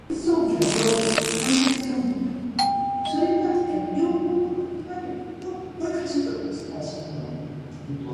The song was composed by singer Ednita Nazario and Laureano Brizuela.